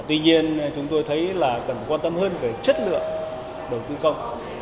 tuy nhiên chúng tôi thấy là cần quan tâm hơn về chất lượng đầu tư công